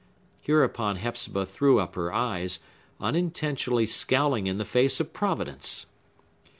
Hereupon Hepzibah threw up her eyes, unintentionally scowling in the face of Providence!